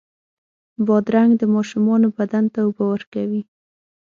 بادرنګ د ماشومانو بدن ته اوبه ورکوي.